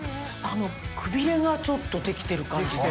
くびれがちょっと出来てる感じ。